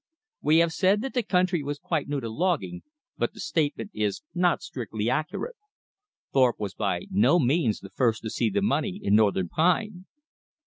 We have said that the country was quite new to logging, but the statement is not strictly accurate. Thorpe was by no means the first to see the money in northern pine.